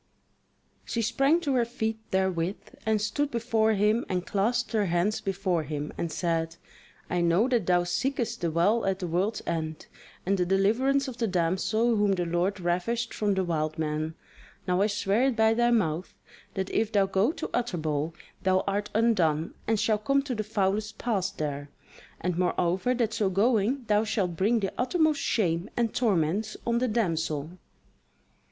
She sprang to her feet therewith, and stood before him and clasped her hands before him and said: "I know that thou seekest the Well at the World's End and the deliverance of the damsel whom the Lord ravished from the wild man: now I swear it by thy mouth, that if thou go to Utterbol thou art undone and shalt come to the foulest pass there, and moreover that so going thou shalt bring the uttermost shame and torments on the damsel."